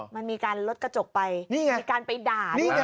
มันมีการลดกระจกไปมีการไปด่าด้วย